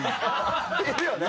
いるよね？